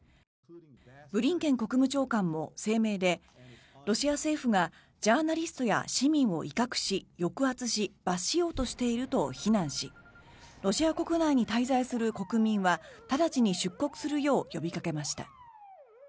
ブリンケン国務長官も声明でロシア政府がジャーナリストや市民を威嚇し抑圧し罰しようとしていると非難しロシア国内に滞在する国民は直ちに出国するよう呼びかけました。